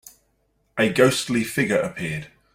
A ghostly figure appeared.